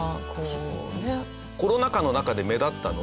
コロナ禍の中で目立ったのは。